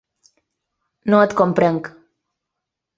No et comprenc.